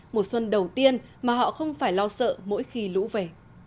mùa xuân đầu tiên mà họ không phải lo sợ mỗi khi lũ về